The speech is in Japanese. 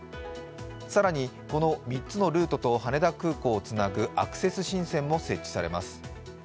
更にこの３つのルートと羽田空港をつなぐアクセス新線も設置されます。